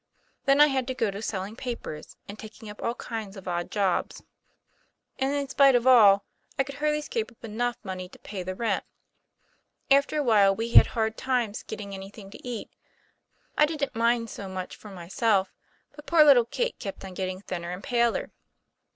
Then I had to go to sell ing papers and taking up ail kinds of odd jobs. ( <i 142 TOM PLAYFAIR. And in spite of all, I could hardly scrape up enough money to pay the rent. After a while we had hard times getting anything to eat. I didn't mind so much for myself, but poor little Kate kept on getting thinner and paler."